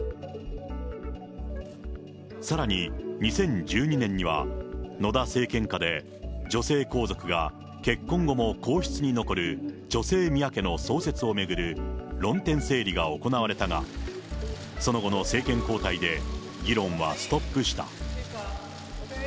さらに２０１２年には、野田政権下で女性皇族が結婚後も皇室に残る、女性宮家の創設を巡る論点整理が行われたが、その後の政権交代で議論はストップした。